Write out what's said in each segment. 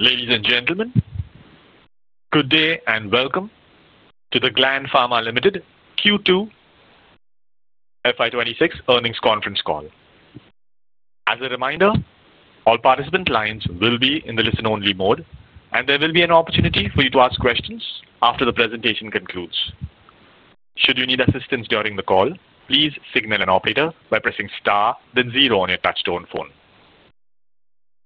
Ladies and gentlemen. Good day and welcome to the Gland Pharma Limited Q2 FY2026 earnings conference call. As a reminder, all participant lines will be in the listen-only mode, and there will be an opportunity for you to ask questions after the presentation concludes. Should you need assistance during the call, please signal an operator by pressing star, then zero on your touch-tone phone.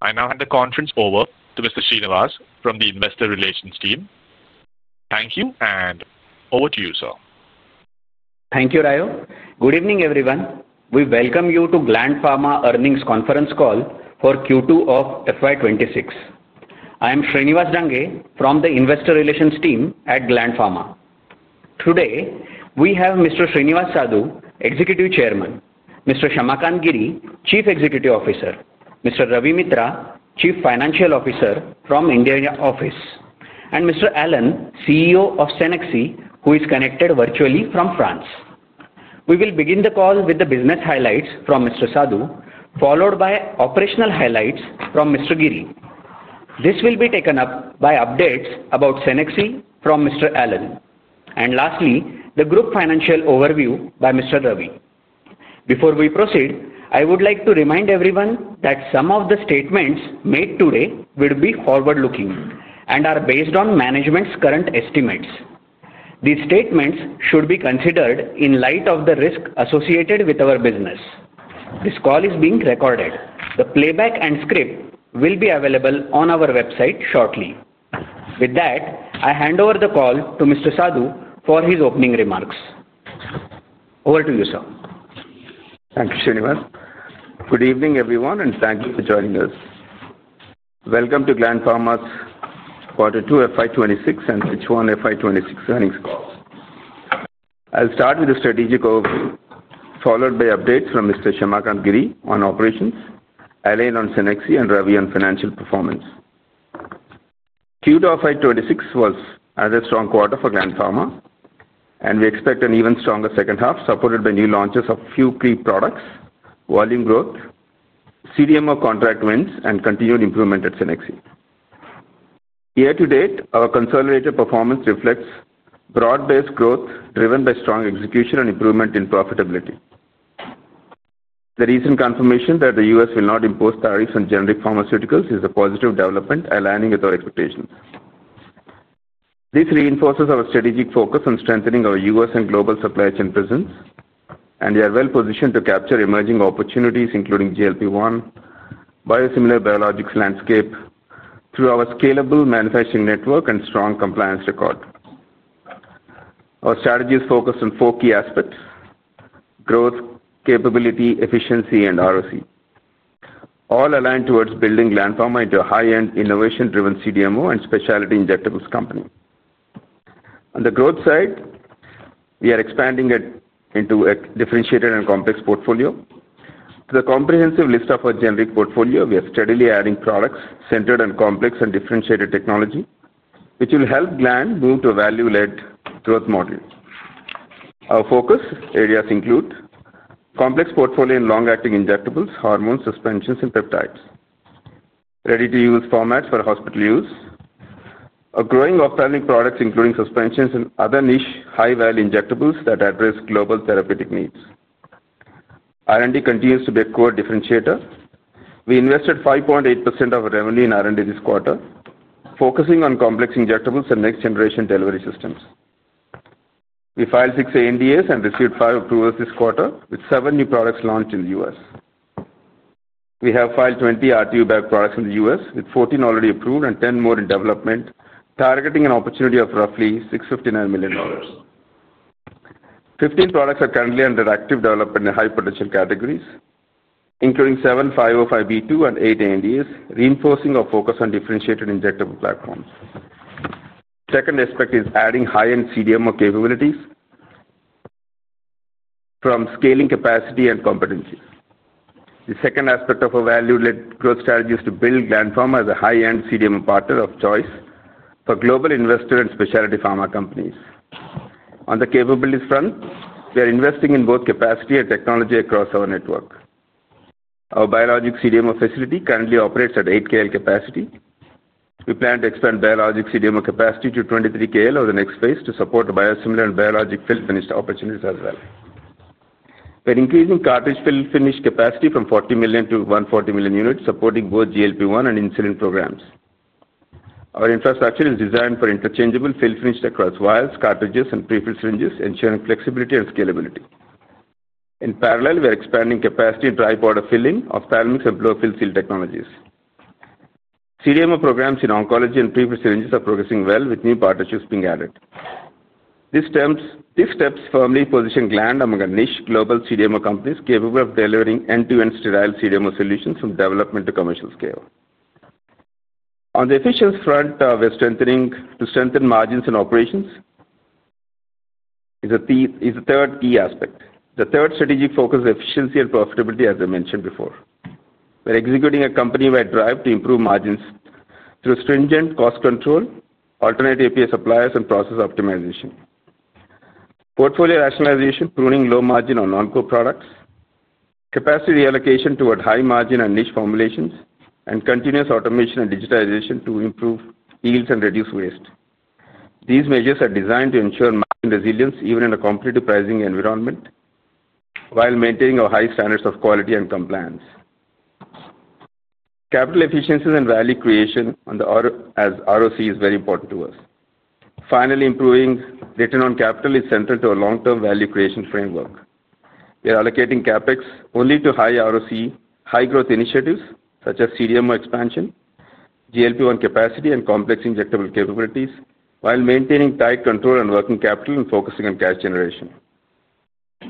I now hand the conference over to Mr. Shriniwas Dange from the Investor Relations team. Thank you, and over to you, sir. Thank you, Ravi. Good evening, everyone. We welcome you to Gland Pharma earnings conference call for Q2 of FY 2026. I am Shriniwas Dange from the Investor Relations team at Gland Pharma. Today, we have Mr. Srinivas Sadu, Executive Chairman; Mr. Shyamakant Giri, Chief Executive Officer; Mr. Ravi Mitra, Chief Financial Officer from India office; and Mr. Alain Kirchmeyer, CEO of Cenexi, who is connected virtually from France. We will begin the call with the business highlights from Mr. Sadu, followed by operational highlights from Mr. Giri. This will be taken up by updates about Cenexi from Mr. Alain, and lastly, the group financial overview by Mr. Ravi. Before we proceed, I would like to remind everyone that some of the statements made today will be forward-looking and are based on management's current estimates. These statements should be considered in light of the risk associated with our business. This call is being recorded. The playback and script will be available on our website shortly. With that, I hand over the call to Mr. Sadu for his opening remarks. Over to you, sir. Thank you, Srinivas. Good evening, everyone, and thank you for joining us. Welcome to Gland Pharma's Q2 FY 2026 and H1 FY 2026 earnings call. I'll start with the strategic overview, followed by updates from Mr. Shyamakant Giri on operations, Alain on Cenexi, and Ravi on financial performance. Q2 FY 2026 was a very strong quarter for Gland Pharma, and we expect an even stronger second half, supported by new launches of a few pre-products, volume growth, CDMO contract wins, and continued improvement at Cenexi. Year-to-date, our consolidated performance reflects broad-based growth driven by strong execution and improvement in profitability. The recent confirmation that the U.S. will not impose tariffs on generic pharmaceuticals is a positive development, aligning with our expectations. This reinforces our strategic focus on strengthening our U.S. and global supply chain presence, and we are well-positioned to capture emerging opportunities, including GLP-1, biosimilar biologics landscape, through our scalable manufacturing network and strong compliance record. Our strategy is focused on four key aspects: growth, capability, efficiency, and ROC. All aligned towards building Gland Pharma into a high-end, innovation-driven CDMO and specialty injectables company. On the growth side, we are expanding into a differentiated and complex portfolio. To the comprehensive list of our generic portfolio, we are steadily adding products centered on complex and differentiated technology, which will help Gland move to a value-led growth model. Our focus areas include complex portfolio in long-acting injectables, hormone suspensions, and peptides, ready-to-use formats for hospital use, a growing offering of products including suspensions and other niche high-value injectables that address global therapeutic needs. R&D continues to be a core differentiator. We invested 5.8% of our revenue in R&D this quarter, focusing on complex injectables and next-generation delivery systems. We filed six ANDAs and received five approvals this quarter, with seven new products launched in the U.S. We have filed 20 RTU-backed products in the U.S., with 14 already approved and 10 more in development, targeting an opportunity of roughly $659 million. Fifteen products are currently under active development in high-potential categories, including seven 505(b)(2) and eight ANDAs, reinforcing our focus on differentiated injectable platforms. The second aspect is adding high-end CDMO capabilities from scaling capacity and competency. The second aspect of our value-led growth strategy is to build Gland Pharma as a high-end CDMO partner of choice for global investor and specialty pharma companies. On the capabilities front, we are investing in both capacity and technology across our network. Our biologic CDMO facility currently operates at 8 KL capacity. We plan to expand biologic CDMO capacity to 23 KL as the next phase to support biosimilar and biologic fill-finished opportunities as well. We are increasing cartridge fill-finished capacity from 40 million to 140 million units, supporting both GLP-1 and insulin programs. Our infrastructure is designed for interchangeable fill-finished across vials, cartridges, and prefill syringes, ensuring flexibility and scalability. In parallel, we are expanding capacity in dry powder filling of thalmix and blow-fill seal technologies. CDMO programs in oncology and prefill syringes are progressing well, with new partnerships being added. These steps firmly position Gland among a niche global CDMO companies capable of delivering end-to-end sterile CDMO solutions from development to commercial scale. On the efficiency front, we are strengthening to strengthen margins and operations. A third key aspect. The third strategic focus is efficiency and profitability, as I mentioned before. We are executing a company-wide drive to improve margins through stringent cost control, alternative API suppliers, and process optimization. Portfolio rationalization, pruning low margin or non-core products. Capacity reallocation toward high-margin and niche formulations, and continuous automation and digitization to improve yields and reduce waste. These measures are designed to ensure margin resilience even in a competitive pricing environment, while maintaining our high standards of quality and compliance. Capital efficiencies and value creation as ROC is very important to us. Finally, improving return on capital is central to our long-term value creation framework. We are allocating CapEx only to high-ROC, high-growth initiatives such as CDMO expansion, GLP-1 capacity, and complex injectable capabilities, while maintaining tight control on working capital and focusing on cash generation.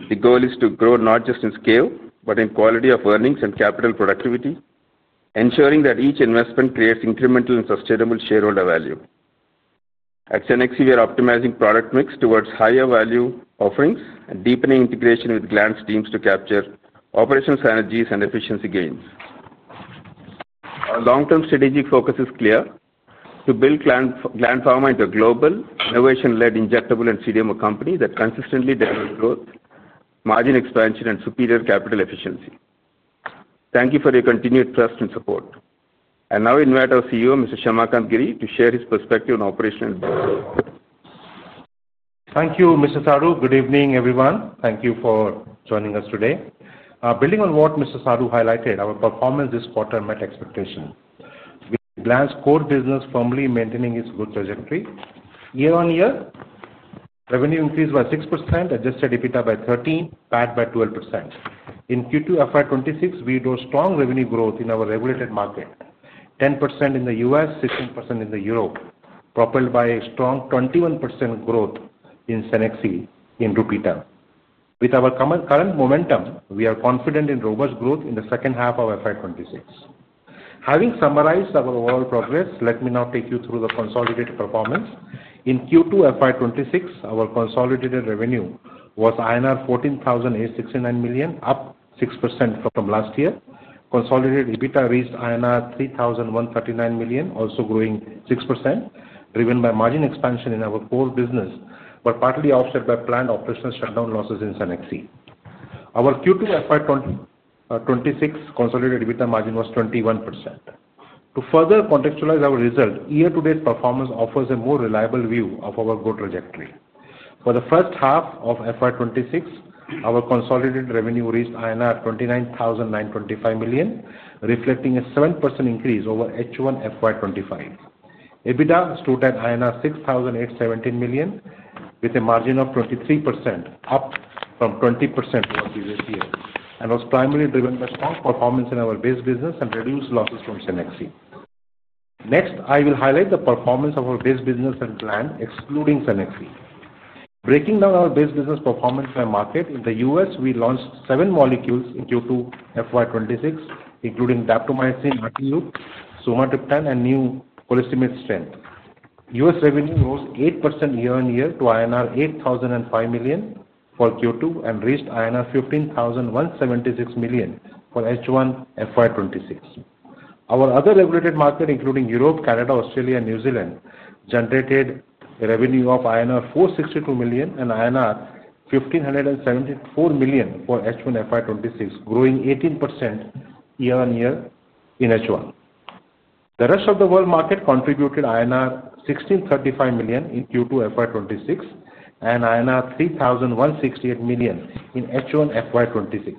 The goal is to grow not just in scale, but in quality of earnings and capital productivity, ensuring that each investment creates incremental and sustainable shareholder value. At Cenexi, we are optimizing product mix towards higher-value offerings and deepening integration with Gland's teams to capture operational synergies and efficiency gains. Our long-term strategic focus is clear: to build Gland Pharma into a global, innovation-led injectable and CDMO company that consistently delivers growth, margin expansion, and superior capital efficiency. Thank you for your continued trust and support. I invite our CEO, Mr. Shyamakant Giri, to share his perspective on operation and business. Thank you, Mr. Sadu. Good evening, everyone. Thank you for joining us today. Building on what Mr. Sadu highlighted, our performance this quarter met expectations. Gland's core business is firmly maintaining its growth trajectory. Year-on-year, revenue increased by 6%, adjusted EBITDA by 13%, PAT by 12%. In Q2 FY 2026, we saw strong revenue growth in our regulated market, 10% in the U.S., 16% in Europe, propelled by strong 21% growth in Cenexi in rupee terms. With our current momentum, we are confident in robust growth in the second half of FY 2026. Having summarized our overall progress, let me now take you through the consolidated performance. In Q2 FY 2026, our consolidated revenue was INR 14,869 million, up 6% from last year. Consolidated EBITDA reached INR 3,139 million, also growing 6%, driven by margin expansion in our core business, but partly offset by planned operational shutdown losses in Cenexi. Our Q2 FY2026 consolidated EBITDA margin was 21%. To further contextualize our result, year-to-date performance offers a more reliable view of our growth trajectory. For the first half of FY 2026, our consolidated revenue reached INR 29,925 million, reflecting a 7% increase over H1 FY 2025. EBITDA stood at INR 6,817 million, with a margin of 23%, up from 20% throughout the previous year, and was primarily driven by strong performance in our base business and reduced losses from Cenexi. Next, I will highlight the performance of our base business at Gland, excluding Cenexi. Breaking down our base business performance by market, in the U.S., we launched seven molecules in Q2 FY 2026, including daptomycin RTU, sumatriptan, and new colistimethate strength. U.S. revenue rose 8% year-on-year to INR 8,005 million for Q2 and reached INR 15,176 million for H1 FY 2026. Our other regulated market, including Europe, Canada, Australia, and New Zealand, generated revenue of INR 462 million and INR 1,574 million for H1 FY 2026, growing 18% year-on-year in H1. The rest of the world market contributed INR 1,635 million in Q2 FY 2026 and INR 3,168 million in H1 FY 2026,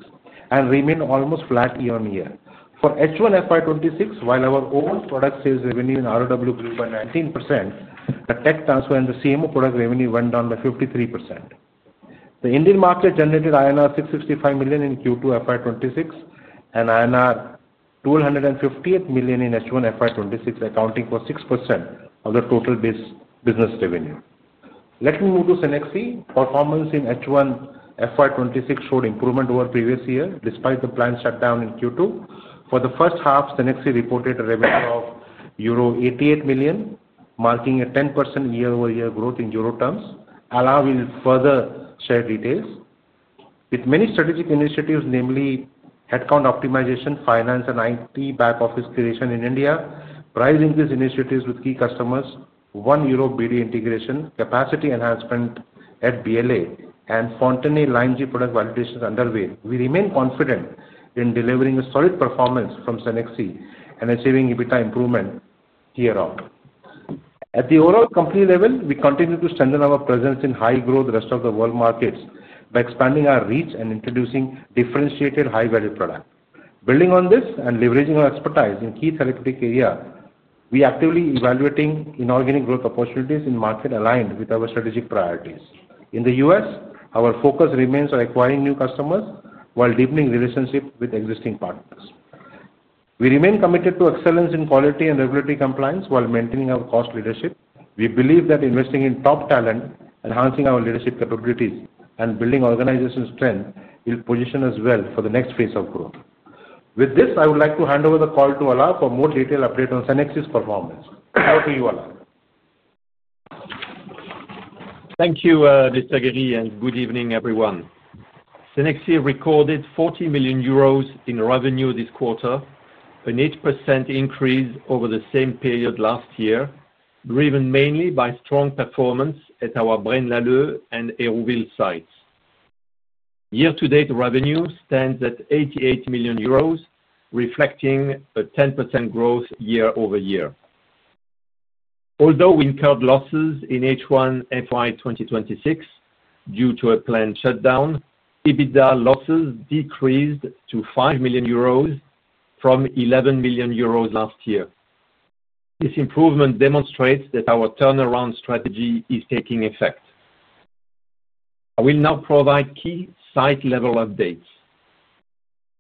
and remained almost flat year-on-year. For H1 FY 2026, while our own product sales revenue in ROW grew by 19%, the tech transfer and the CMO product revenue went down by 53%. The Indian market generated INR 665 million in Q2 FY 2026 and INR 1,258 million in H1 FY 2026, accounting for 6% of the total business revenue. Let me move to Cenexi. Performance in H1 FY 2026 showed improvement over the previous year, despite the planned shutdown in Q2. For the first half, Cenexi reported a revenue of euro 88 million, marking a 10% year-over-year growth in euro terms. Alain will further share details. With many strategic initiatives, namely headcount optimization, finance and IT back office creation in India, price increase initiatives with key customers, 1 million euro BD integration, capacity enhancement at BLA, and Fontenay product validations underway, we remain confident in delivering a solid performance from Cenexi and achieving EBITDA improvement year-round. At the overall company level, we continue to strengthen our presence in high-growth rest of the world markets by expanding our reach and introducing differentiated high-value products. Building on this and leveraging our expertise in key therapeutic areas, we are actively evaluating inorganic growth opportunities in markets aligned with our strategic priorities. In the U.S., our focus remains on acquiring new customers while deepening relationships with existing partners. We remain committed to excellence in quality and regulatory compliance while maintaining our cost leadership. We believe that investing in top talent, enhancing our leadership capabilities, and building organizational strength will position us well for the next phase of growth. With this, I would like to hand over the call to Alain for a more detailed update on Cenexi's performance. Over to you, Alain. Thank you, Mr. Giri, and good evening, everyone. Cenexi recorded 40 million euros in revenue this quarter, an 8% increase over the same period last year, driven mainly by strong performance at our Braine-L'Alleud and Aulnay sites. Year-to-date revenue stands at 88 million euros, reflecting a 10% growth year-over-year. Although we incurred losses in H1 FY2026 due to a planned shutdown, EBITDA losses decreased to 5 million euros from 11 million euros last year. This improvement demonstrates that our turnaround strategy is taking effect. I will now provide key site-level updates.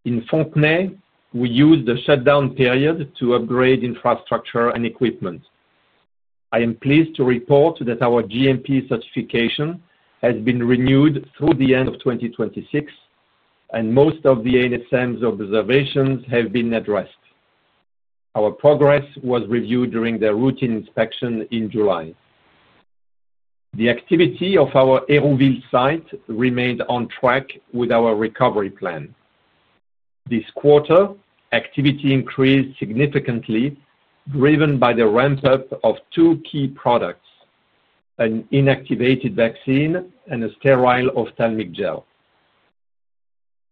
In Fontenay, we used the shutdown period to upgrade infrastructure and equipment. I am pleased to report that our GMP certification has been renewed through the end of 2026. Most of the ANSM's observations have been addressed. Our progress was reviewed during the routine inspection in July. The activity of our Aulnay site remained on track with our recovery plan. This quarter, activity increased significantly, driven by the ramp-up of two key products: an inactivated vaccine and a sterile ophthalmic gel.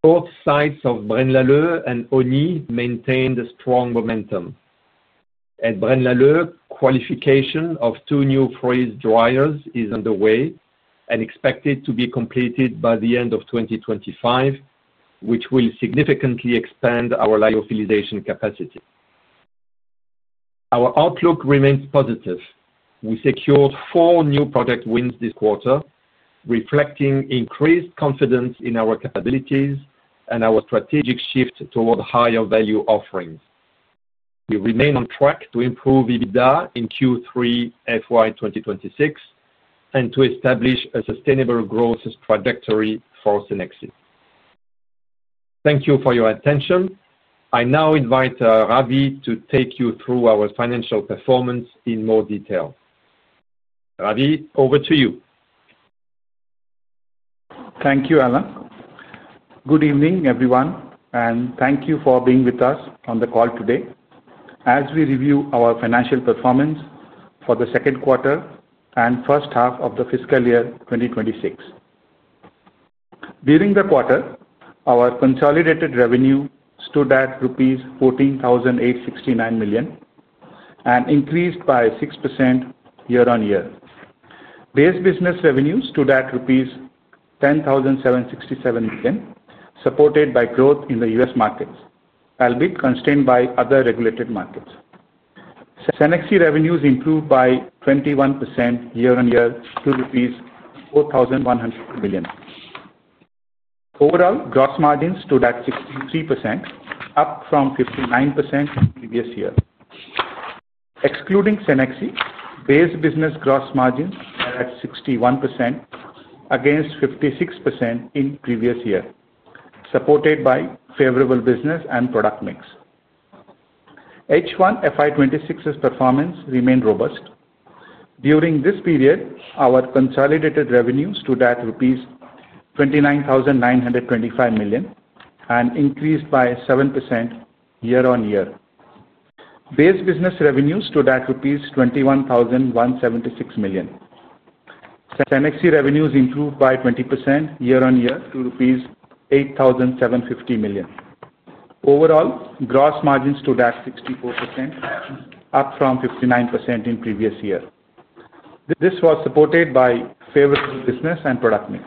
Both sites of Braine-L'Alleud and Osnay maintained a strong momentum. At Braine-L'Alleud, qualification of two new freeze-dryers is underway and expected to be completed by the end of 2025, which will significantly expand our lyophilization capacity. Our outlook remains positive. We secured four new project wins this quarter, reflecting increased confidence in our capabilities and our strategic shift toward higher-value offerings. We remain on track to improve EBITDA in Q3 FY2026 and to establish a sustainable growth trajectory for Cenexi. Thank you for your attention. I now invite Ravi to take you through our financial performance in more detail. Ravi, over to you. Thank you, Alain. Good evening, everyone, and thank you for being with us on the call today as we review our financial performance for the second quarter and first half of the fiscal year 2026. During the quarter, our consolidated revenue stood at rupees 14,869 million and increased by 6% year-on-year. Base business revenue stood at 10,767 million rupees, supported by growth in the U.S. markets, albeit constrained by other regulated markets. Cenexi revenues improved by 21% year-on-year to rupees 4,102 million. Overall, gross margins stood at 63%, up from 59% in the previous year. Excluding Cenexi, base business gross margins are at 61%, against 56% in the previous year, supported by favorable business and product mix. H1 FY 2026's performance remained robust. During this period, our consolidated revenue stood at rupees 29,925 million and increased by 7% year-on-year. Base business revenue stood at rupees 21,176 million. Cenexi revenues improved by 20% year-on-year to rupees 8,750 million. Overall, gross margins stood at 64%, up from 59% in the previous year. This was supported by favorable business and product mix.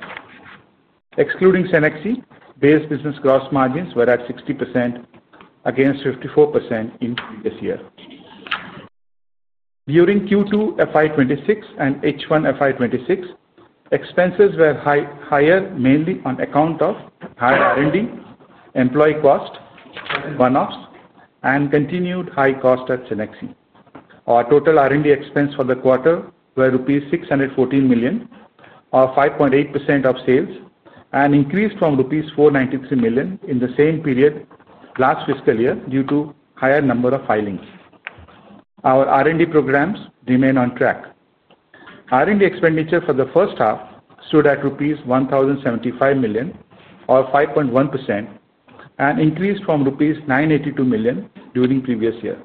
Excluding Cenexi, base business gross margins were at 60%, against 54% in the previous year. During Q2 FY 2026 and H1 FY 2026, expenses were higher, mainly on account of high R&D, employee cost, one-offs, and continued high cost at Cenexi. Our total R&D expense for the quarter was rupees 614 million, or 5.8% of sales, and increased from rupees 493 million in the same period last fiscal year due to a higher number of filings. Our R&D programs remain on track. R&D expenditure for the first half stood at rupees 1,075 million, or 5.1%, and increased from rupees 982 million during the previous year.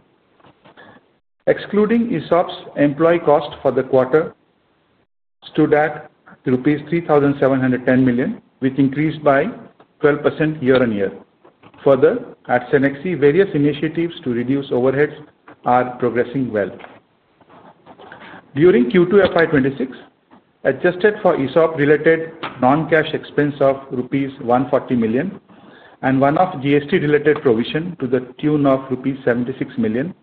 Excluding ESOPs, employee cost for the quarter stood at rupees 3,710 million, which increased by 12% year-on-year. Further, at Cenexi, various initiatives to reduce overheads are progressing well. During Q2 FY 2026, adjusted for ESOP-related non-cash expense of rupees 140 million and one-off GST-related provision to the tune of rupees 76 million,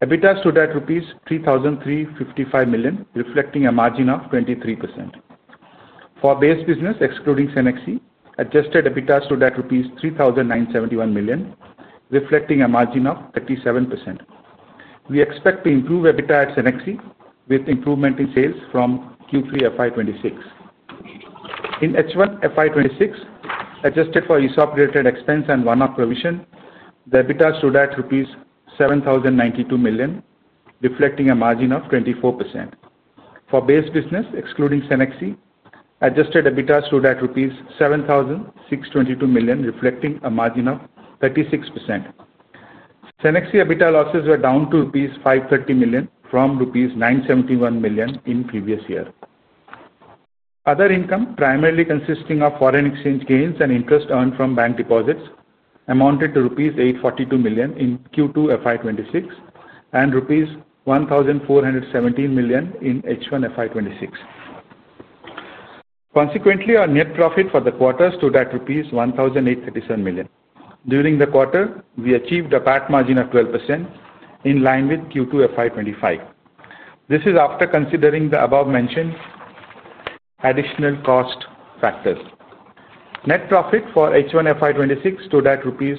EBITDA stood at rupees 3,355 million, reflecting a margin of 23%. For base business, excluding Cenexi, adjusted EBITDA stood at rupees 3,971 million, reflecting a margin of 37%. We expect to improve EBITDA at Cenexi with improvement in sales from Q3 FY 2026. In H1 FY 2026, adjusted for ESOP-related expense and one-off provision, the EBITDA stood at rupees 7,092 million, reflecting a margin of 24%. For base business, excluding Cenexi, adjusted EBITDA stood at rupees 7,622 million, reflecting a margin of 36%. Cenexi EBITDA losses were down to rupees 530 million from rupees 971 million in the previous year. Other income, primarily consisting of foreign exchange gains and interest earned from bank deposits, amounted to rupees 842 million in Q2 FY 2026 and rupees 1,417 million in H1 FY 2026. Consequently, our net profit for the quarter stood at rupees 1,837 million. During the quarter, we achieved a PAT margin of 12% in line with Q2 FY 2025. This is after considering the above-mentioned additional cost factors. Net profit for H1 FY 2026 stood at INR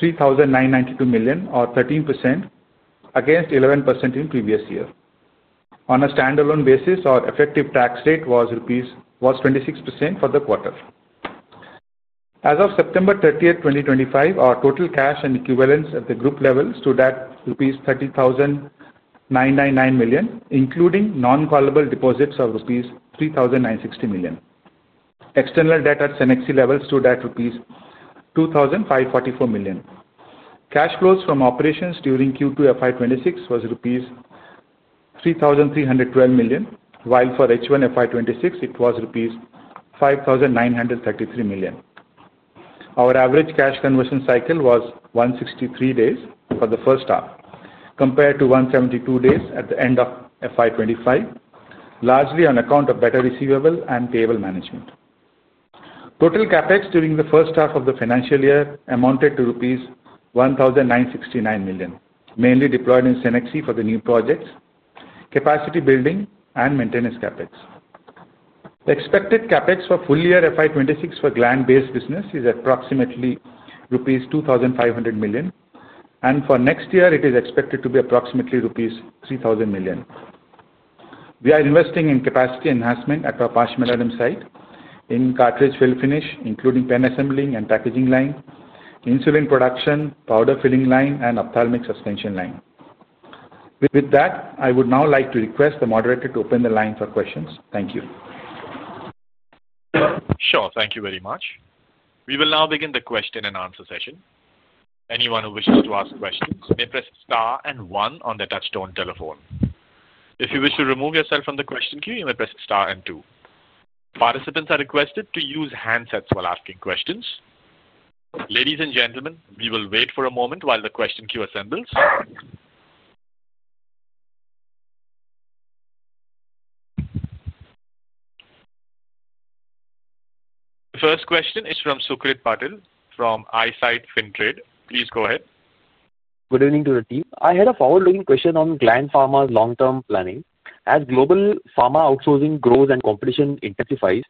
3,992 million, or 13%, against 11% in the previous year. On a standalone basis, our effective tax rate was. 26% for the quarter. As of September 30, 2025, our total cash and equivalents at the group level stood at rupees 30,999 million, including non-callable deposits of rupees 3,960 million. External debt at Cenexi level stood at rupees 2,544 million. Cash flows from operations during Q2 FY26 was rupees 3,312 million, while for H1 FY26, it was rupees 5,933 million. Our average cash conversion cycle was 163 days for the first half, compared to 172 days at the end of FY25, largely on account of better receivable and payable management. Total CapEx during the first half of the financial year amounted to rupees 1,969 million, mainly deployed in Cenexi for the new projects, capacity building, and maintenance CapEx. Expected CapEx for full year FY26 for Gland-based business is approximately rupees 2,500 million, and for next year, it is expected to be approximately rupees 3,000 million. We are investing in capacity enhancement at our Parshmandalam site in cartridge fill finish, including pen assembling and packaging line, insulin production, powder filling line, and ophthalmic suspension line. With that, I would now like to request the moderator to open the line for questions. Thank you. Sure. Thank you very much. We will now begin the question-and-answer session. Anyone who wishes to ask questions may press Star and 1 on the touchstone telephone. If you wish to remove yourself from the question queue, you may press Star and 2. Participants are requested to use handsets while asking questions. Ladies and gentlemen, we will wait for a moment while the question queue assembles. The first question is from Sucrit Patil from Eyesight Fintrade. Please go ahead. Good evening to the team. I had a forward-looking question on Gland Pharma's long-term planning. As global pharma outsourcing grows and competition intensifies,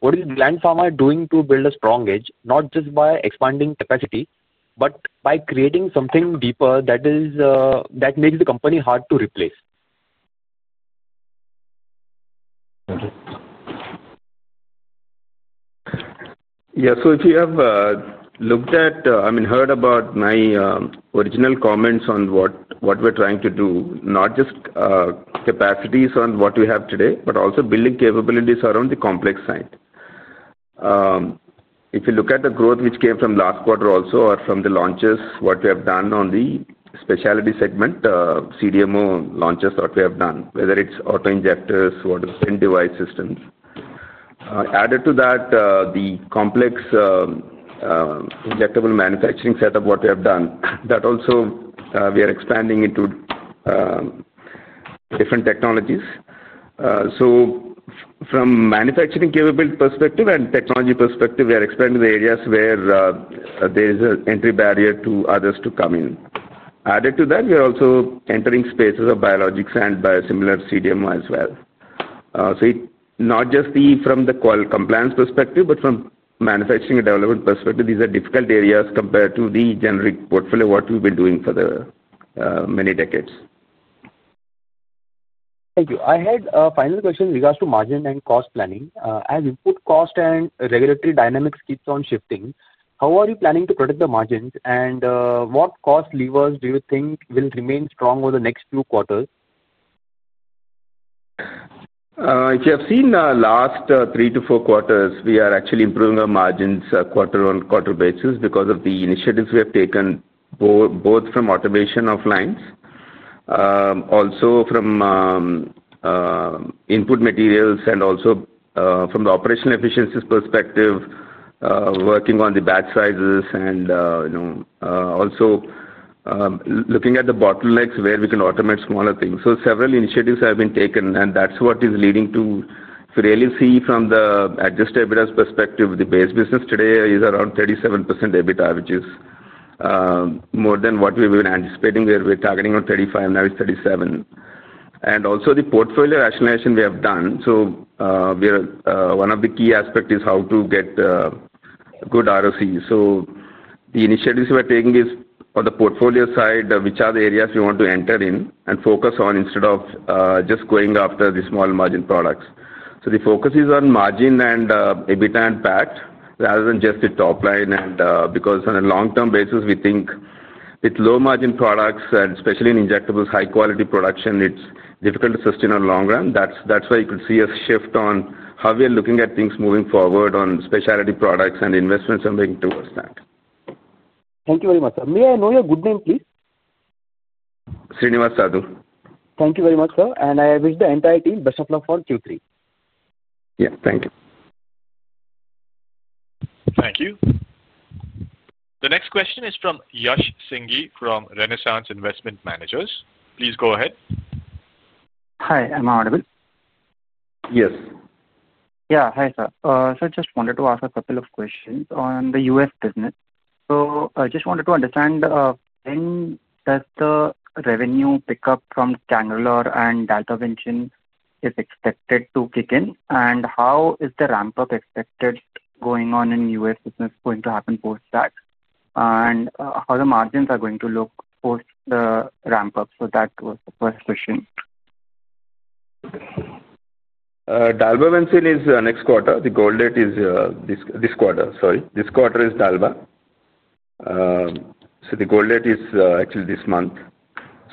what is Gland Pharma doing to build a strong edge, not just by expanding capacity but by creating something deeper that makes the company hard to replace? Thank you. Yeah. If you have looked at, I mean, heard about my original comments on what we're trying to do, not just capacities on what we have today but also building capabilities around the complex side. If you look at the growth which came from last quarter also or from the launches, what we have done on the specialty segment, CDMO launches that we have done, whether it's auto injectors, what is the end device systems. Added to that, the complex injectable manufacturing setup, what we have done, that also we are expanding into different technologies. From a manufacturing capability perspective and technology perspective, we are expanding the areas where there is an entry barrier to others to come in. Added to that, we are also entering spaces of biologics and biosimilar CDMO as well. Not just from the compliance perspective but from a manufacturing and development perspective, these are difficult areas compared to the generic portfolio, what we've been doing for many decades. Thank you. I had a final question in regards to margin and cost planning. As input cost and regulatory dynamics keep on shifting, how are you planning to protect the margins, and what cost levers do you think will remain strong over the next few quarters? If you have seen the last three to four quarters, we are actually improving our margins on a quarter-on-quarter basis because of the initiatives we have taken. Both from automation of lines, also from input materials, and also from the operational efficiencies perspective. Working on the batch sizes and also looking at the bottlenecks where we can automate smaller things. Several initiatives have been taken, and that is what is leading to, if you really see from the adjusted EBITDA perspective, the base business today is around 37% EBITDA, which is more than what we were anticipating, where we were targeting on 35%, now it is 37%. Also, the portfolio rationalization we have done, so one of the key aspects is how to get good ROCs. The initiatives we are taking are on the portfolio side, which are the areas we want to enter in and focus on instead of just going after the small margin products. The focus is on margin and EBITDA and PAT rather than just the top line. Because on a long-term basis, we think with low-margin products, and especially in injectables, high-quality production, it is difficult to sustain on the long run. That is why you could see a shift on how we are looking at things moving forward on specialty products and investments we are making towards that. Thank you very much, sir. May I know your good name, please? Srinivas Sadu. Thank you very much, sir. I wish the entire team the best of luck for Q3. Yeah. Thank you. Thank you. The next question is from Yash Singhee from Renaissance Investment Managers. Please go ahead. Hi. Am I audible? Yes. Yeah. Hi, sir. I just wanted to ask a couple of questions on the US business. I just wanted to understand, when does the revenue pick up from Tangular and Delta Ventures, if expected to kick in, and how is the ramp-up expected going on in US business going to happen post that, and how the margins are going to look post the ramp-up? That was the first question. Dalbavancin is next quarter. The goal date is this quarter, sorry. This quarter is dalbavancin. The goal date is actually this month.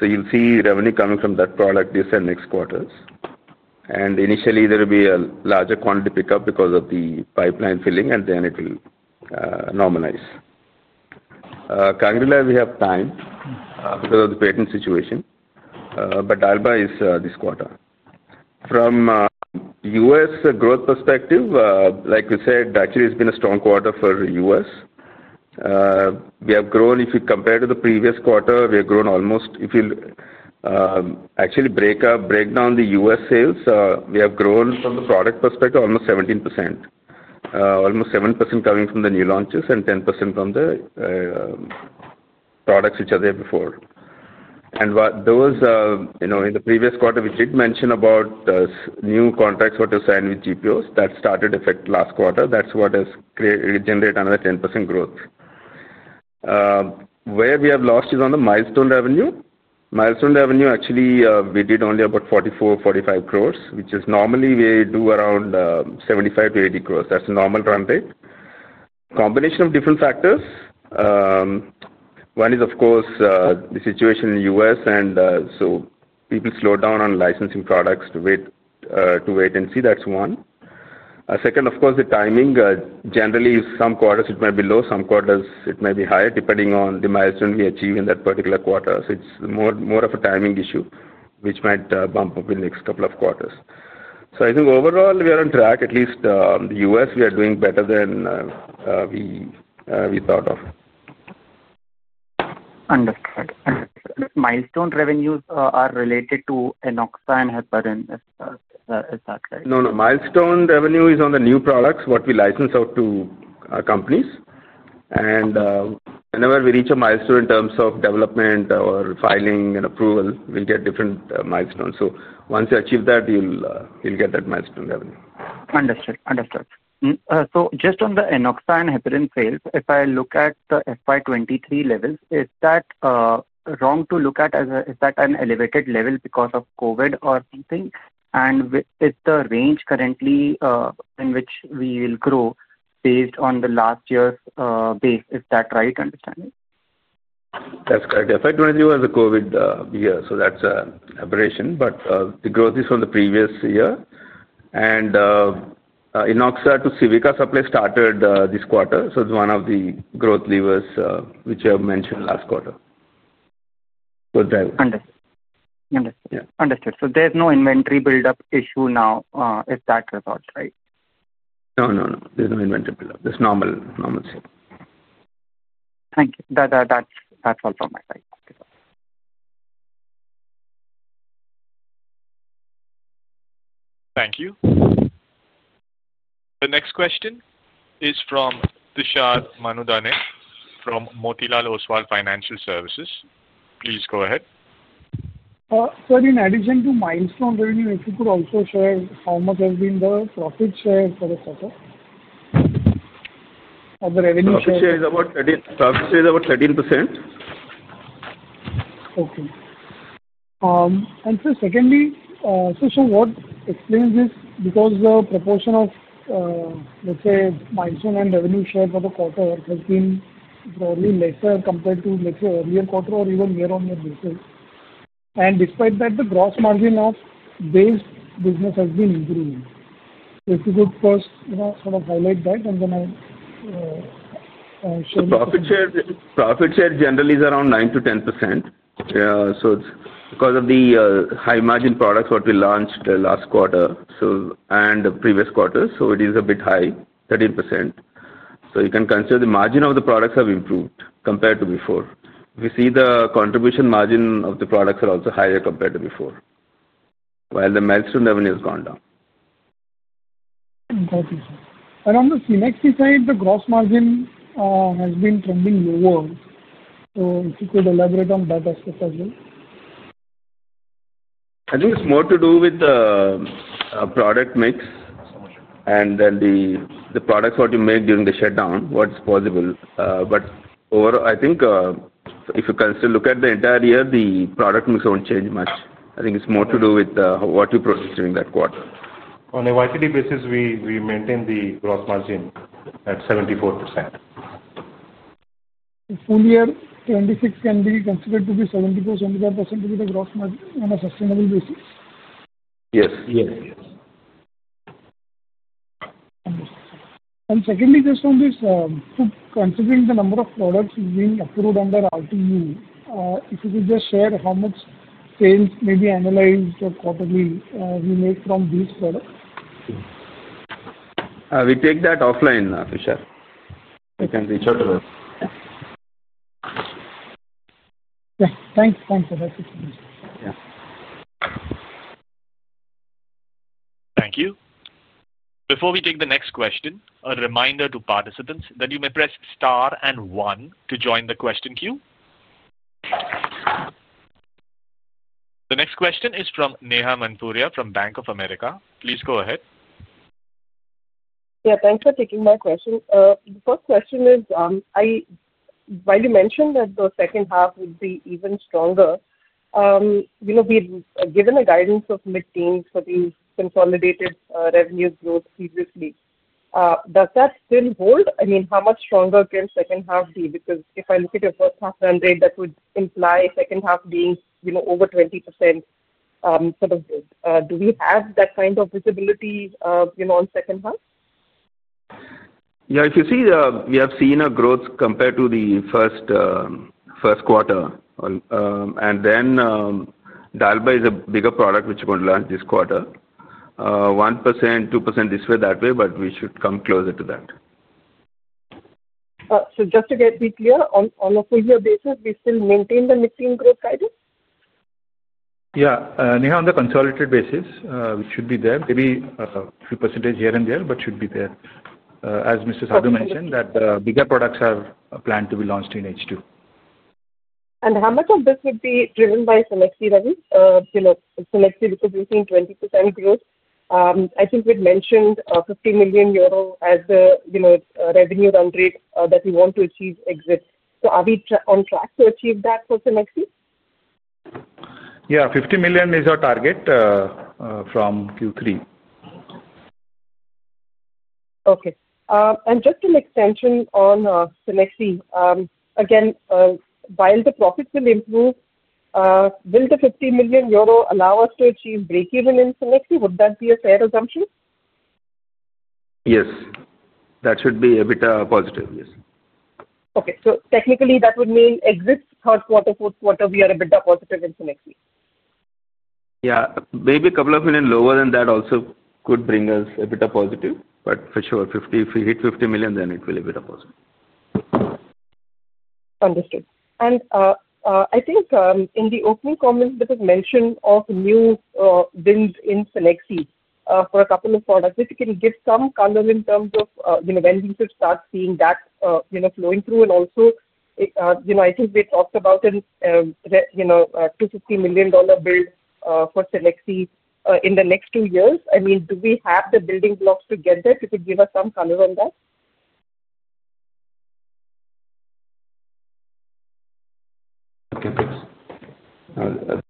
You will see revenue coming from that product this and next quarters. Initially, there will be a larger quantity pickup because of the pipeline filling, and then it will normalize. Kangrila, we have time because of the patent situation, but dalbavancin is this quarter. From a U.S. growth perspective, like we said, actually, it has been a strong quarter for the U.S. We have grown, if you compare to the previous quarter, we have grown almost, if you actually break down the U.S. sales, we have grown from the product perspective almost 17%. Almost 7% coming from the new launches and 10% from the products which were there before. In the previous quarter, we did mention new contracts that were signed with GPOs that started effect last quarter. That is what has generated another 10% growth. Where we have lost is on the milestone revenue. Milestone revenue, actually, we did only about 44-45 crore, which is normally we do around 75-80 crore. That is a normal run rate. Combination of different factors. One is, of course, the situation in the U.S., and so people slowed down on licensing products to wait and see. That is one. Second, of course, the timing. Generally, some quarters it might be low, some quarters it might be higher, depending on the milestone we achieve in that particular quarter. It is more of a timing issue which might bump up in the next couple of quarters. I think overall, we are on track. At least the U.S., we are doing better than we thought of. Understood. Understood. Milestone revenues are related to enoxaparin and heparin, is that right? No, no. Milestone revenue is on the new products, what we license out to companies. Whenever we reach a milestone in terms of development or filing and approval, we get different milestones. Once you achieve that, you'll get that milestone revenue. Understood. Understood. Just on the enoxaparin and heparin sales, if I look at the FY 2023 levels, is that wrong to look at as an elevated level because of COVID or something? Is the range currently in which we will grow based on the last year's base? Is that right understanding? That's correct. FY 2023 was a COVID year, so that's an aberration. The growth is from the previous year. Enoxaparin to Civica Supply started this quarter. It's one of the growth levers which I have mentioned last quarter. Understood. So there's no inventory buildup issue now, is that right? No, no, no. There's no inventory buildup. It's normal. Normal sale. Thank you. That's all from my side. Thank you, sir. Thank you. The next question is from Tushar Manudhane from Motilal Oswal Financial Services. Please go ahead. Sir, in addition to milestone revenue, if you could also share how much has been the profit share for the quarter? Of the revenue share. Profit share is about 13%. Okay. And sir, secondly, what explains this? Because the proportion of, let's say, milestone and revenue share for the quarter has been probably lesser compared to, let's say, earlier quarter or even year-on-year basis. Despite that, the gross margin of base business has been improving. If you could first sort of highlight that, and then I. Profit share generally is around 9%-10%. It is because of the high-margin products that we launched last quarter and the previous quarter, so it is a bit high, 13%. You can consider the margin of the products have improved compared to before. We see the contribution margin of the products are also higher compared to before. While the milestone revenue has gone down. On the Cenexi side, the gross margin has been trending lower. If you could elaborate on that aspect as well. I think it's more to do with the product mix. And then the products that you make during the shutdown, what's possible. But overall, I think if you consider, look at the entire year, the product mix won't change much. I think it's more to do with what you produce during that quarter. On a YTD basis, we maintain the gross margin at 74%. Full year 2026 can be considered to be 74%-75% to be the gross margin on a sustainable basis? Yes. Yes. Yes. Secondly, just on this, so considering the number of products being approved under RTU, if you could just share how much sales may be analyzed quarterly we make from these products. We take that offline, Tisha. You can reach out to us. Yeah. Thanks. Thanks. Thank you. Before we take the next question, a reminder to participants that you may press star and one to join the question queue. The next question is from Neha Manpuria from Bank of America. Please go ahead. Yeah. Thanks for taking my question. The first question is. While you mentioned that the second half would be even stronger. We've given a guidance of mid-teens for the consolidated revenue growth previously. Does that still hold? I mean, how much stronger can second half be? Because if I look at your first-half run rate, that would imply second half being over 20%. Sort of good. Do we have that kind of visibility on second half? Yeah. If you see, we have seen a growth compared to the first quarter. And then dalba is a bigger product which we're going to launch this quarter. 1%, 2% this way, that way, but we should come closer to that. Just to be clear, on a full-year basis, we still maintain the mid-teens growth guidance? Yeah. Neha, on the consolidated basis, which should be there, maybe a few percentage here and there, but should be there. As Mr. Sadu mentioned, that the bigger products are planned to be launched in H2. How much of this would be driven by select C levels? Select C, because we've seen 20% growth, I think we'd mentioned 50 million euro as the revenue run rate that we want to achieve exit. Are we on track to achieve that for Cenexi? Yeah. 50 million is our target. From Q3. Okay. And just an extension on Cenexi again. While the profits will improve, will the 50 million euro allow us to achieve break-even in Cenexi? Would that be a fair assumption? Yes. That should be a bit positive, yes. Okay. So technically, that would mean exit third quarter, fourth quarter, we are a bit positive in Cenexi? Yeah. Maybe a couple of million lower than that also could bring us a bit of positive. For sure, if we hit 50 million, then it will be a bit of positive. Understood. I think in the opening comments, there was mention of new bins in Cenexi for a couple of products. If you can give some color in terms of when we should start seeing that flowing through. I think we talked about a $250 million build for Cenexi in the next two years. I mean, do we have the building blocks to get there? If you could give us some color on that. Okay. Thanks.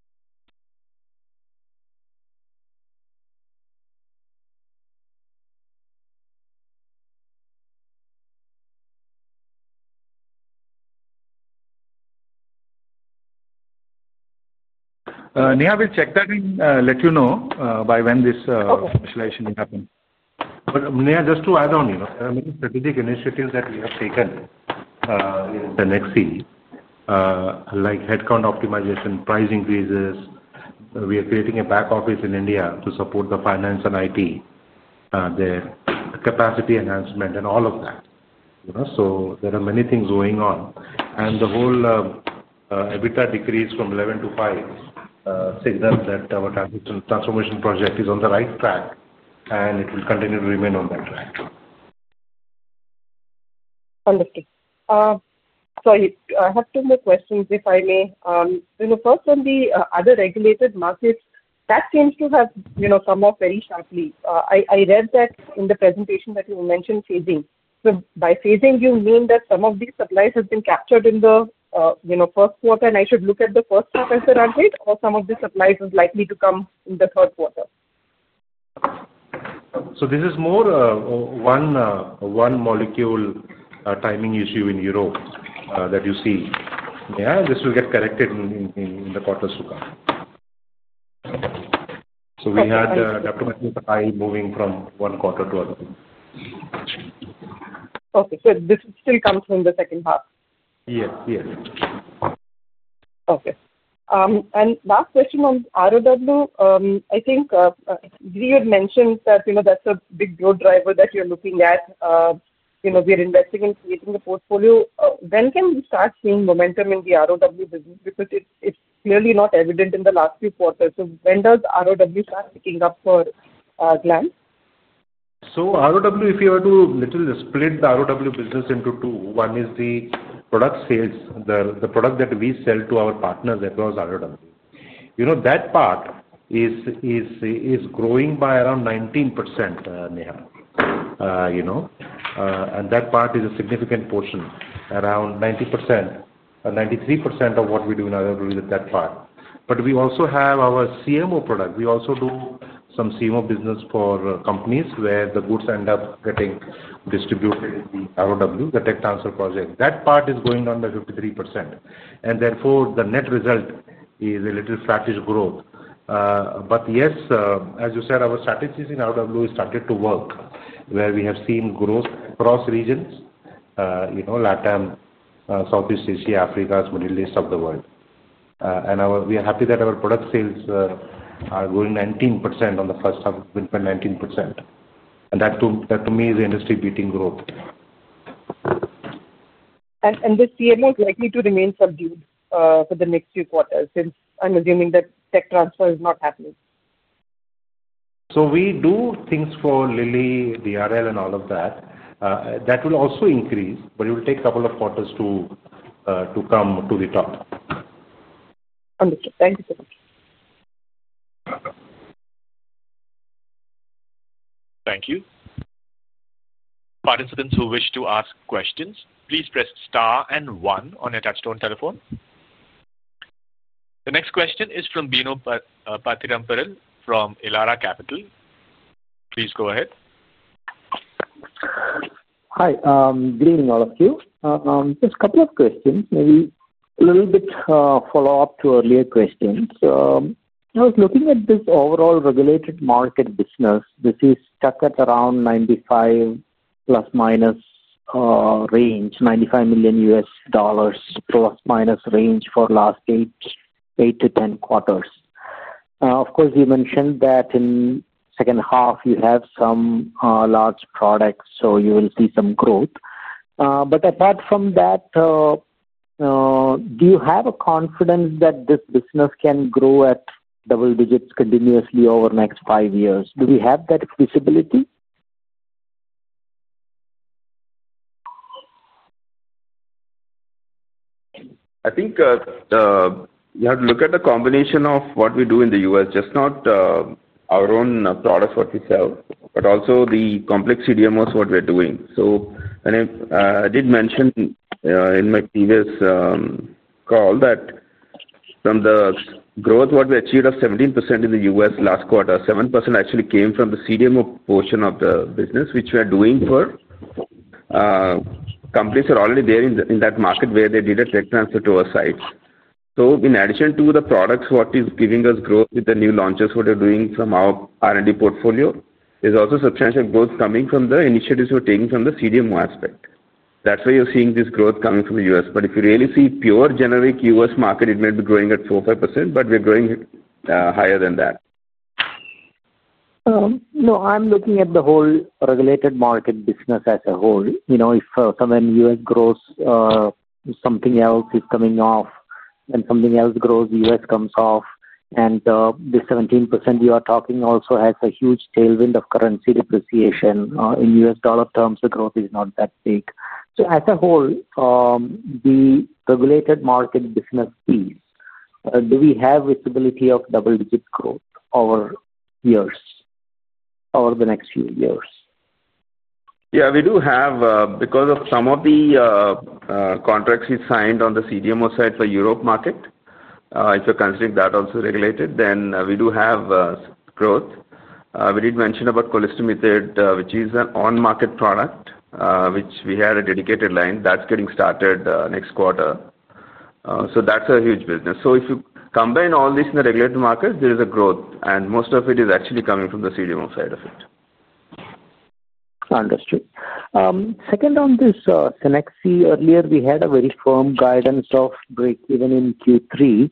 Neha will check that and let you know by when this specialization will happen. Neha, just to add on, there are many strategic initiatives that we have taken. In Cenexi, like headcount optimization, price increases. We are creating a back office in India to support the finance and IT. The capacity enhancement and all of that. There are many things going on. The whole EBITDA decrease from 11 to 5 signals that our transformation project is on the right track, and it will continue to remain on that track. Understood. Sorry, I have two more questions, if I may. First, on the other regulated markets, that seems to have come off very sharply. I read that in the presentation that you mentioned phasing. So by phasing, you mean that some of these supplies have been captured in the first quarter, and I should look at the first quarter as the run rate, or some of these supplies are likely to come in the third quarter? This is more one molecule timing issue in Europe that you see. Yeah. This will get corrected in the quarters to come. So we had. Okay. Dr. Manjushari moving from one quarter to another. Okay. So this still comes from the second half? Yes. Yes. Okay. Last question on ROW. I think we had mentioned that that's a big growth driver that you're looking at. We are investing in creating a portfolio. When can we start seeing momentum in the ROW business? Because it's clearly not evident in the last few quarters. When does ROW start picking up for Gland? ROW, if you were to literally split the ROW business into two, one is the product sales, the product that we sell to our partners across ROW. That part is growing by around 19%, Neha. And that part is a significant portion, around 90%-93% of what we do in ROW is that part. We also have our CMO product. We also do some CMO business for companies where the goods end up getting distributed in the ROW, the tech transfer project. That part is going on the 53%. Therefore, the net result is a little flattish growth. Yes, as you said, our strategies in ROW started to work, where we have seen growth across regions. Latin America, Southeast Asia, Africa, Middle East, of the world. We are happy that our product sales are growing 19% on the first half, 19%. That, to me, is industry-beating growth. This year is likely to remain subdued for the next few quarters, since I'm assuming that tech transfer is not happening? We do things for Lilly, Dr. Reddy’s Laboratories, and all of that. That will also increase, but it will take a couple of quarters to come to the top. Understood. Thank you so much. Thank you. Participants who wish to ask questions, please press star and one on your touchstone telephone. The next question is from Bino Pathiparampil from Elara Capital. Please go ahead. Hi. Good evening, all of you. Just a couple of questions, maybe a little bit follow-up to earlier questions. I was looking at this overall regulated market business. This is stuck at around $95 million ± I think you have to look at the combination of what we do in the U.S., just not our own products what we sell, but also the complex CDMOs what we're doing. I did mention in my previous call that from the growth what we achieved of 17% in the U.S. last quarter, 7% actually came from the CDMO portion of the business, which we are doing for companies that are already there in that market where they did a tech transfer to our sites. In addition to the products what is giving us growth with the new launches what we're doing from our R&D portfolio, there's also substantial growth coming from the initiatives we're taking from the CDMO aspect. That's where you're seeing this growth coming from the U.S. If you really see pure generic U.S. market, it may be growing at 4%-5%, but we're growing higher than that. No, I'm looking at the whole regulated market business as a whole. If somewhere in the U.S. grows, something else is coming off, and something else grows, the U.S. comes off. And this 17% you are talking also has a huge tailwind of currency depreciation. In U.S. dollar terms, the growth is not that big. So as a whole, the regulated market business piece, do we have visibility of double-digit growth over years, over the next few years? Yeah. We do have, because of some of the contracts we signed on the CDMO side for Europe market. If you're considering that also regulated, then we do have growth. We did mention about colistimethate, which is an on-market product, which we had a dedicated line. That's getting started next quarter. That's a huge business. If you combine all this in the regulated market, there is a growth. Most of it is actually coming from the CDMO side of it. Understood. Second on this Cenexi, earlier we had a very firm guidance of break-even in Q3.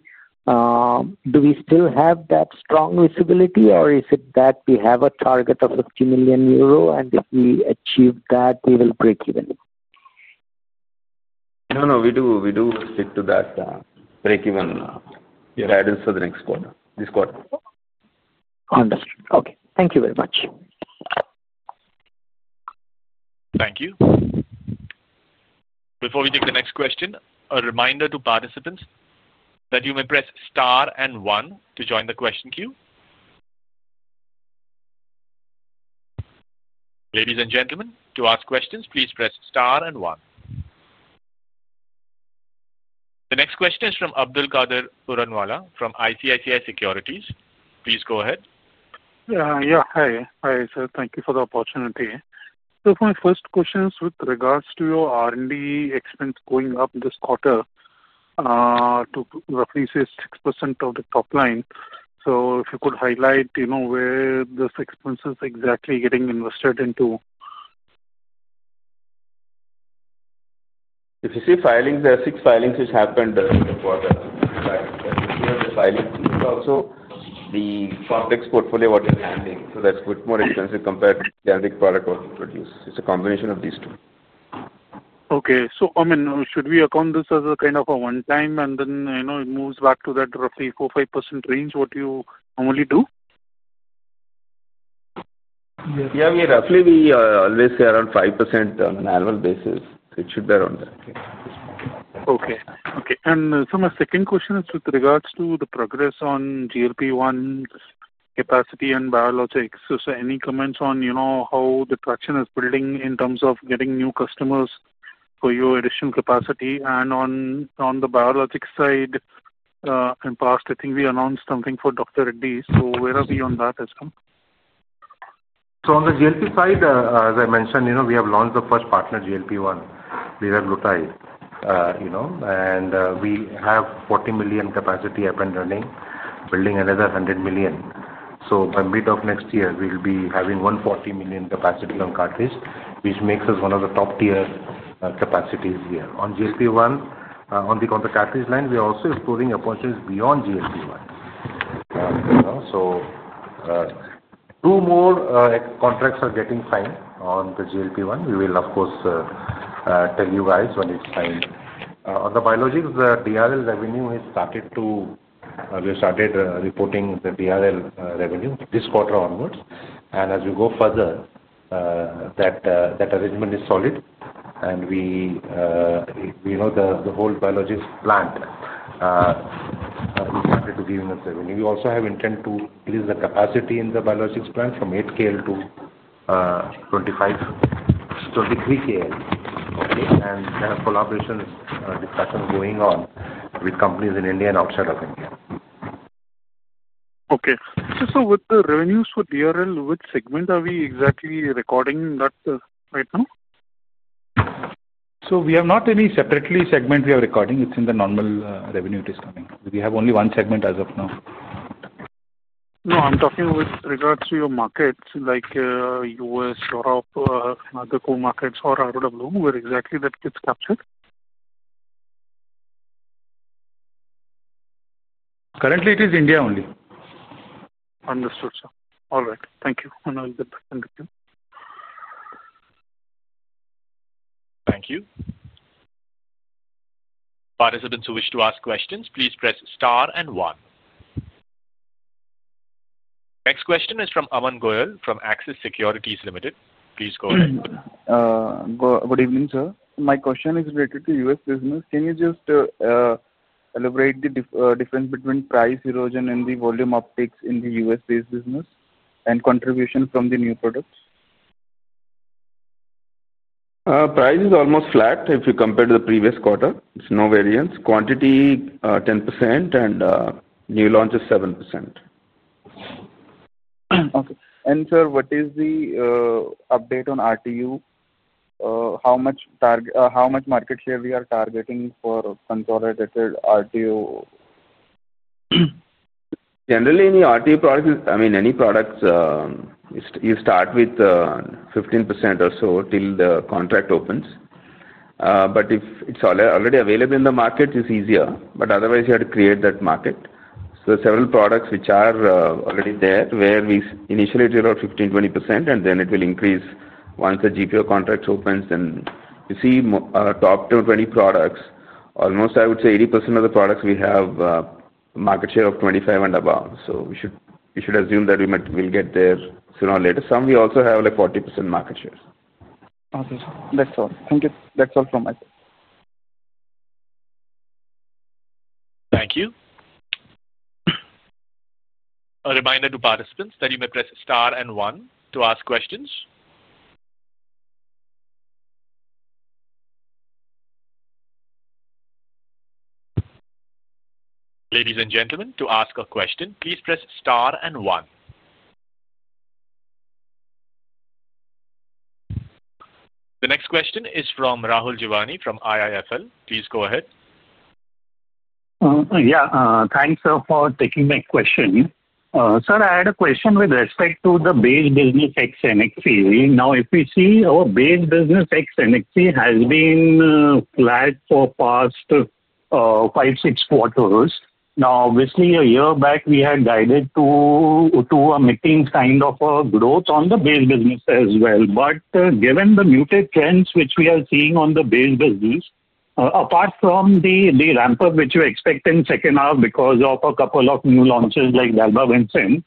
Do we still have that strong visibility, or is it that we have a target of 50 million euro, and if we achieve that, we will break-even? No, no. We do stick to that break-even. Your guidance for the next quarter, this quarter. Understood. Okay. Thank you very much. Thank you. Before we take the next question, a reminder to participants that you may press star and one to join the question queue. Ladies and gentlemen, to ask questions, please press star and one. The next question is from Abdul Qadir Puranwala from ICICI Securities. Please go ahead. Yeah. Hi. Hi, sir. Thank you for the opportunity. My first question is with regards to your R&D expense going up this quarter to roughly 6% of the top line. If you could highlight where those expenses are exactly getting invested into. If you see filings, there are six filings which happened this quarter. If you have the filings, it's also the complex portfolio what we're handling. That's a bit more expensive compared to the generic product what we produce. It's a combination of these two. Okay. So I mean, should we account this as a kind of a one-time and then it moves back to that roughly 4%-5% range what you normally do? Yeah. Roughly, we always say around 5% on an annual basis. It should be around that. Okay. Okay. My second question is with regards to the progress on GLP-1, capacity, and biologics. Any comments on how the traction is building in terms of getting new customers for your additional capacity? On the biologics side, in the past, I think we announced something for Dr. Reddy. Where are we on that as well? On the GLP side, as I mentioned, we have launched the first partner, GLP-1, liraglutide. We have 40 million capacity up and running, building another 100 million. By mid of next year, we'll be having 140 million capacity on cartridge, which makes us one of the top-tier capacities here. On GLP-1, on the cartridge line, we are also exploring approaches beyond GLP-1. Two more contracts are getting signed on the GLP-1. We will, of course, tell you guys when it's signed. On the biologics, the DRL revenue has started to—we started reporting the DRL revenue this quarter onwards. As we go further, that arrangement is solid. The whole biologics plant has started to give us revenue. We also have intent to increase the capacity in the biologics plant from 8 KL to 23 KL. Collaboration discussions are going on with companies in India and outside of India. Okay. So with the revenues for DRL, which segment are we exactly recording that right now? We have not any separately segment we are recording. It's in the normal revenue it is coming. We have only one segment as of now. No. I'm talking with regards to your markets, like US, Europe, other core markets, or ROW, where exactly that gets captured? Currently, it is India only. Understood, sir. All right. Thank you. I'll get back in with you. Thank you. Participants who wish to ask questions, please press star and one. Next question is from Aman Goyal from Axis Securities Limited. Please go ahead. Good evening, sir. My question is related to US business. Can you just elaborate the difference between price erosion and the volume upticks in the US-based business and contribution from the new products? Price is almost flat if you compare to the previous quarter. There's no variance. Quantity 10% and new launch is 7%. Okay. Sir, what is the update on RTU? How much market share are we targeting for consolidated RTU? Generally, any RTU product is, I mean, any product. You start with 15% or so till the contract opens. If it's already available in the market, it's easier. Otherwise, you have to create that market. There are several products which are already there where we initially drew out 15%-20%, and then it will increase once the GPO contract opens. You see top 20 products, almost I would say 80% of the products we have market share of 25% and above. We should assume that we'll get there sooner or later. Some we also have like 40% market share. Okay. That's all. Thank you. That's all from my side. Thank you. A reminder to participants that you may press Star and 1 to ask questions. Ladies and gentlemen, to ask a question, please press Star and 1. The next question is from Rahul Jeewani from IIFL. Please go ahead. Yeah. Thanks, sir, for taking my question. Sir, I had a question with respect to the base business Cenexi. Now, if we see our base business Cenexi has been flat for the past five, six quarters. Now, obviously, a year back, we had guided to a mitigating kind of growth on the base business as well. Given the muted trends which we are seeing on the base business, apart from the ramp-up which we expect in the second half because of a couple of new launches like dalbavancin,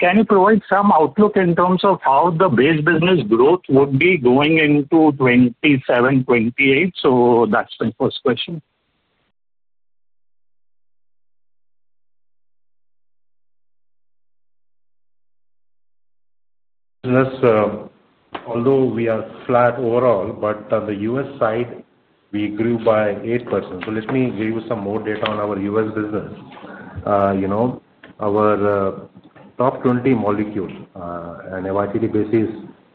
can you provide some outlook in terms of how the base business growth would be going into 2027, 2028? That is my first question. Although we are flat overall, on the US side, we grew by 8%. Let me give you some more data on our US business. Our top 20 molecule on a YTD basis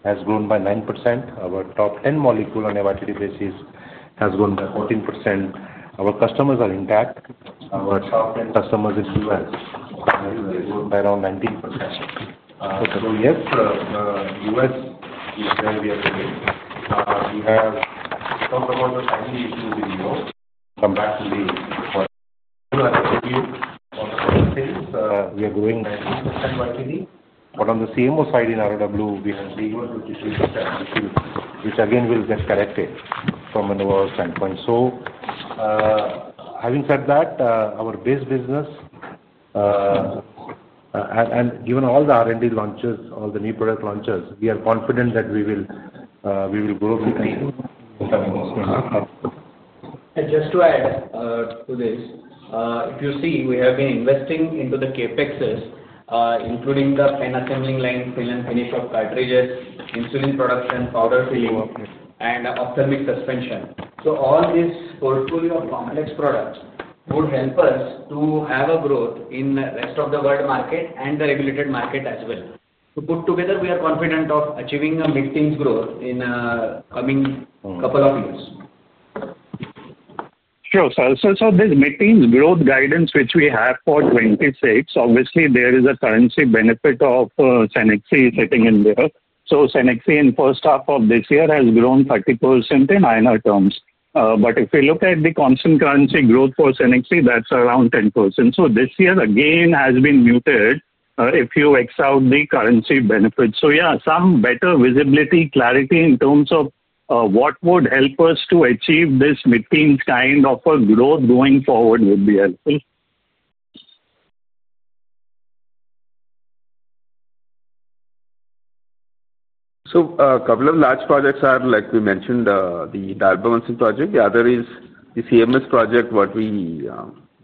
has grown by 9%. Our top 10 molecule on a YTD basis has grown by 14%. Our customers are intact. Our top 10 customers in the US have grown by around 19%. Yes, US is where we are today. We have talked about the timing issues in Europe. Come back to the US market. We are growing 90% YTD. On the CMO side in ROW, we have been growing 53%, which again will get corrected from an overall standpoint. Having said that, our base business, and given all the R&D launches, all the new product launches, we are confident that we will grow the company. Just to add to this, if you see, we have been investing into the CapEx, including the pen assembling line, seal and finish of cartridges, insulin production, powder sealing, and ophthalmic suspension. All this portfolio of complex products would help us to have a growth in the rest of the world market and the regulated market as well. Put together, we are confident of achieving a mid-teens growth in the coming couple of years. Sure. This mid-teens growth guidance which we have for 2026, obviously, there is a currency benefit of Cenexi sitting in there. Cenexi in the first half of this year has grown 30% in INR terms. If we look at the constant currency growth for Cenexi, that is around 10%. This year, again, has been muted if you X out the currency benefits. Some better visibility, clarity in terms of what would help us to achieve this mid-teens kind of a growth going forward would be helpful. A couple of large projects are, like we mentioned, the dalbavancin project. The other is the CMS project, what we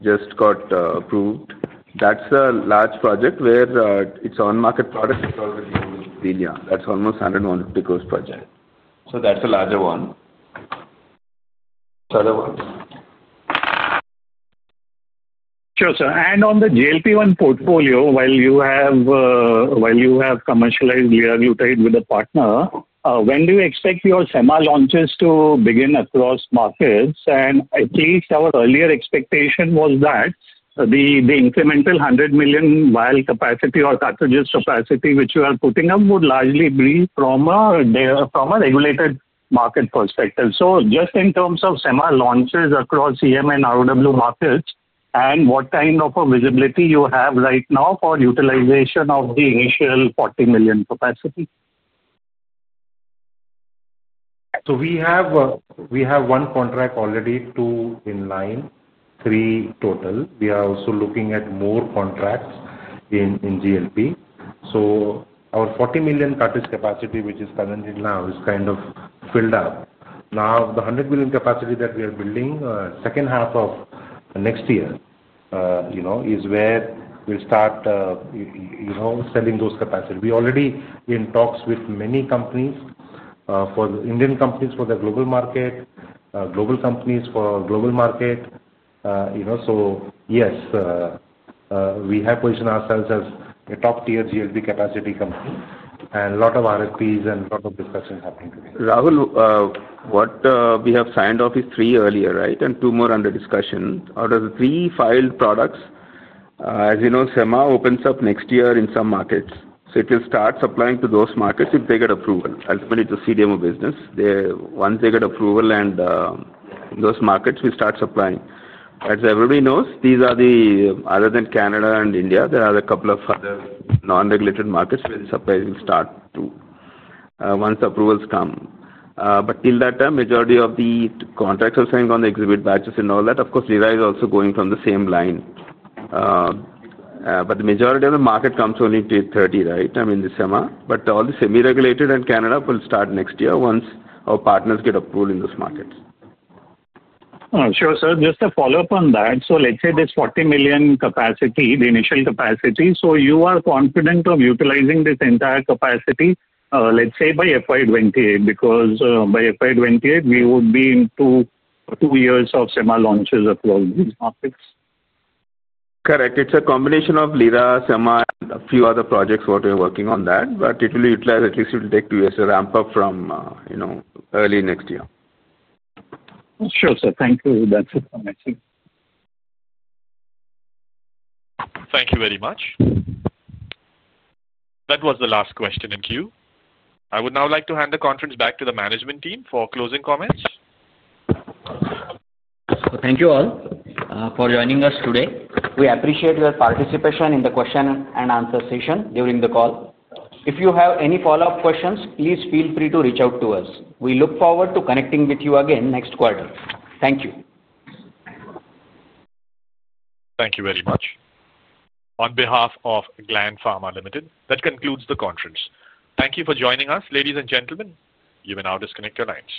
just got approved. That is a large project where its on-market product is already being—yeah, that is almost 150 crore project. That is a larger one. The other one. Sure, sir. On the GLP-1 portfolio, while you have commercialized liraglutide with a partner, when do you expect your semi launches to begin across markets? At least our earlier expectation was that the incremental 100 million vial capacity or cartridges capacity which you are putting up would largely be from a regulated market perspective. Just in terms of semi launches across EM and ROW markets, what kind of visibility do you have right now for utilization of the initial 40 million capacity? We have one contract already, two in line, three total. We are also looking at more contracts in GLP. Our 40 million cartridge capacity, which is currently now, is kind of filled up. The 100 million capacity that we are building, second half of next year, is where we will start selling those capacities. We are already in talks with many companies—Indian companies for the global market, global companies for global market. Yes, we have positioned ourselves as a top-tier GLP capacity company. A lot of RFPs and a lot of discussions are happening today. Rahul, what we have signed off is three earlier, right? And two more under discussion. Out of the three filed products. As you know, semi opens up next year in some markets. It will start supplying to those markets if they get approval. Ultimately, it's a CDMO business. Once they get approval in those markets, we start supplying. As everybody knows, these are the—other than Canada and India, there are a couple of other non-regulated markets where the supplies will start too, once the approvals come. Till that time, majority of the contracts are signed on the exhibit batches and all that. Of course, Lira is also going from the same line. The majority of the market comes only to 30, right? I mean, the semi. All the semi-regulated and Canada will start next year once our partners get approval in those markets. Sure, sir. Just a follow-up on that. Let's say this 40 million capacity, the initial capacity. You are confident of utilizing this entire capacity, let's say by FY 2028, because by FY 2028, we would be into two years of semi launches across these markets. Correct. It's a combination of Lira, semi, and a few other projects what we are working on that. It will utilize—at least it will take two years to ramp up from. Early next year. Sure, sir. Thank you. That's it from my side. Thank you very much. That was the last question in queue. I would now like to hand the conference back to the management team for closing comments. Thank you all for joining us today. We appreciate your participation in the question and answer session during the call. If you have any follow-up questions, please feel free to reach out to us. We look forward to connecting with you again next quarter. Thank you. Thank you very much. On behalf of Gland Pharma Limited, that concludes the conference. Thank you for joining us, ladies and gentlemen. You may now disconnect your lines.